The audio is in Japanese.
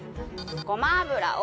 ごま油を。